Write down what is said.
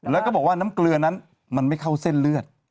แล้วก็บอกว่าน้ำเกลือนั้นมันไม่เข้าเส้นเลือด